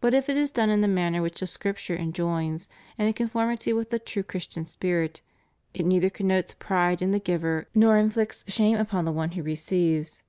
But if it is done in the manner which the Scripture enjoins/ and in conformity with the true Christian spirit, it neither connotes pride in the giver nor inflicts shame upon the one who receives.